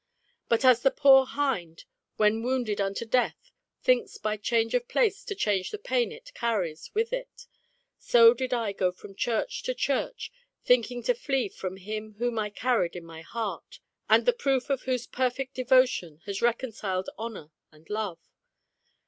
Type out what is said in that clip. But as the poor hind when wounded unto death thinks by change of place to change the pain it carries with it, so did I go from church to church thinking to flee from him whom I carried in my heart, and the proof of whose perfect devotion has reconciled honour and love.